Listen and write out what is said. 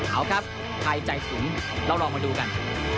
เอาครับใครใจสูงเราลองมาดูกัน